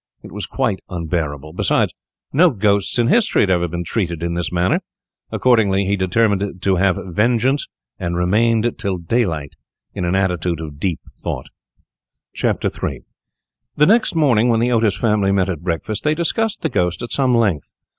It was quite unbearable. Besides, no ghost in history had ever been treated in this manner. Accordingly, he determined to have vengeance, and remained till daylight in an attitude of deep thought. III The next morning, when the Otis family met at breakfast, they discussed the ghost at some length.